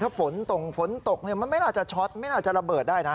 ถ้าฝนตรงฝนตกมันไม่น่าจะช็อตไม่น่าจะระเบิดได้นะ